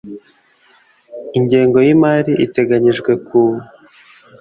Ingengo y imari iteganyijwe ku